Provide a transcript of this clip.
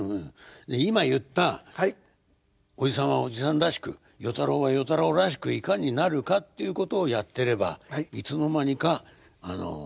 今言ったおじさんはおじさんらしく与太郎は与太郎らしくいかになるかっていうことをやってればいつの間にか小三治よりいい噺家になっちゃうんだよ。